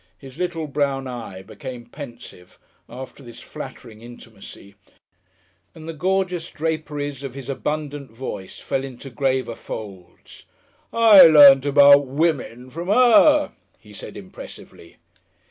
His little, brown eye became pensive after this flattering intimacy and the gorgeous draperies of his abundant voice fell into graver folds. "I learnt about women from 'er," he said impressively.